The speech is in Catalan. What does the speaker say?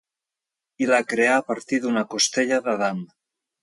I la creà a partir d'una costella d'Adam.